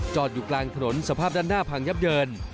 อยู่กลางถนนสภาพด้านหน้าพังยับเยิน